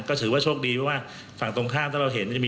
ก็ถือว่าโชคดีว่าฝั่งตรงข้าม